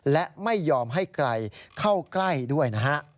และไม่ยอมให้ใครเข้าใกล้ด้วยนะฮะ